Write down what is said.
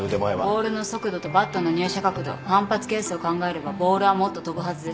ボールの速度とバットの入射角度反発係数を考えればボールはもっと飛ぶはずです。